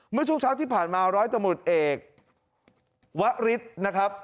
เมื่อช่วงเช้าที่ผ่านมาร้อยตำรวจเอกวะฤทธิ์นะครับ